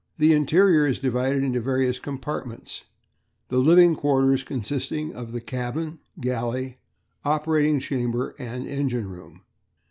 The interior is divided into various compartments, the living quarters consisting of the cabin, galley, operating chamber and engine room.